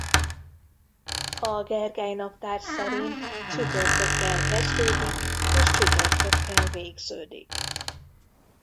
A Gergely-naptár szerint csütörtökkel kezdődik és csütörtökkel végződik.